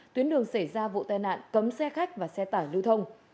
tuyến đường xảy ra vụ tai nạn cấm xe khách và xe tải lưu thông